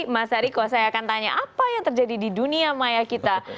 mas ariko saya akan tanya apa yang terjadi di dunia maya kita